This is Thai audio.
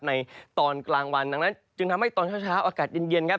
ในตอนกลางวันดังนั้นจึงทำให้ตอนเช้าอากาศเย็นครับ